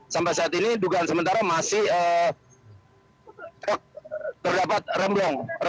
sampai saat ini dugaan sementara masih truk terdapat remblong